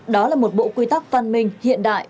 đó là một bộ quy tắc văn minh hiện đại